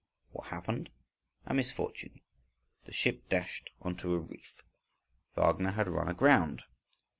—What happened? A misfortune. The ship dashed on to a reef; Wagner had run aground.